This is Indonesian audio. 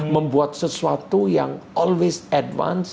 membuat sesuatu yang selalu berkembang